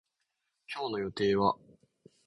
今日の予定は